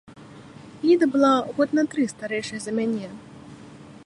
Ліда была год на тры старэйшая за мяне.